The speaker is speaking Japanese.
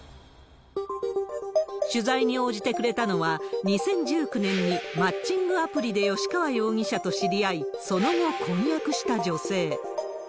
取材に応じてくれたのは、２０１９年にマッチングアプリで吉川容疑者と知り合い、その後、婚約した女性。